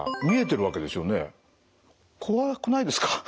怖くないですか？